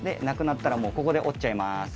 なくなったらもうここで折っちゃいます。